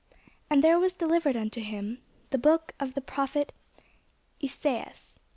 And there was delivered unto him the book of the prophet Esaias.